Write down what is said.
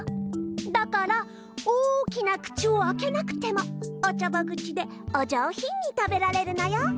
だから大きな口をあけなくてもおちょぼ口でお上ひんに食べられるのよ。